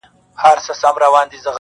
مو ځکه تړاو راوست